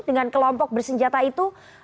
dengan kelompok bersenjata itu